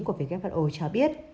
về covid một mươi chín của who cho biết